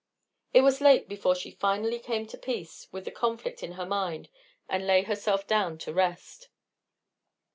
It was late before she finally came to peace with the conflict in her mind and lay herself down to rest.